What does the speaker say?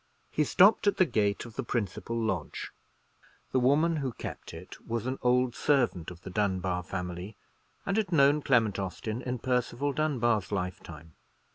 He stopped at the gate of the principal lodge. The woman who kept it was an old servant of the Dunbar family, and had known Clement Austin in Percival Dunbar's lifetime.